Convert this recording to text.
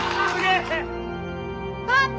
パパ！